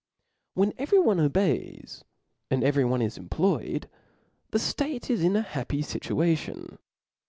When every one obeys, and every one is em ployed, the (late is in a happy djtuation.